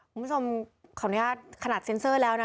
คุณผู้ชมขนาดเซ็นเซอร์แล้วนะ